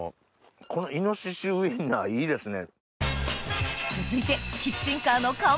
このイノシシウインナーいいですね。